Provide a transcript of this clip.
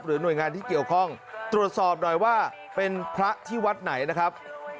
หน่วยงานที่เกี่ยวข้องตรวจสอบหน่อยว่าเป็นพระที่วัดไหนนะครับ